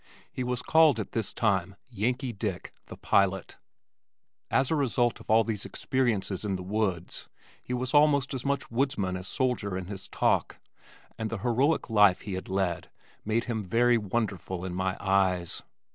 He was called at this time, "Yankee Dick, the Pilot." As a result of all these experiences in the woods, he was almost as much woodsman as soldier in his talk, and the heroic life he had led made him very wonderful in my eyes.